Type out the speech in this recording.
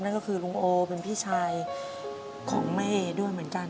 นั่นก็คือลุงโอเป็นพี่ชายของแม่ด้วยเหมือนกัน